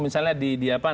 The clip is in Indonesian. misalnya di jawa